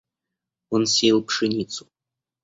Он сеял пшеницу.